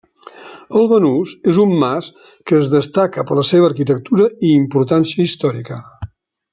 El Banús és un mas que es destaca per la seva arquitectura i importància històrica.